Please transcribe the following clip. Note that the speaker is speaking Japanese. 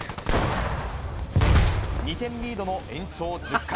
２点リードの延長１０回。